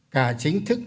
cả chính thức